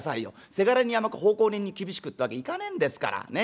せがれに甘く奉公人に厳しくってわけいかねえんですからね？